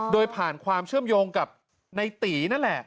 โดยผ่านความเชื่อมโยงกับในตีนั่นแหละ